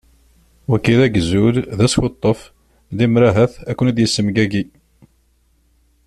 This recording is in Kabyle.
Wagi d agzul d askuṭṭef, limer ahat ad ken-id-yessemgagi.